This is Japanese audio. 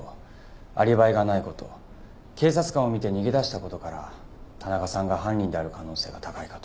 アリバイがない事警察官を見て逃げだした事から田中さんが犯人である可能性が高いかと。